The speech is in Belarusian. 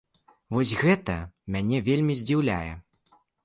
Вось гэта мяне вельмі здзіўляе.